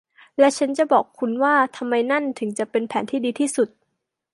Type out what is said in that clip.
และฉันจะบอกคุณว่าทำไมนั่นถึงจะเป็นแผนที่ดีที่สุด